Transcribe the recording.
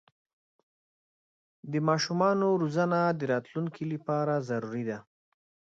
د ماشومانو روزنه د راتلونکي لپاره ضروري ده.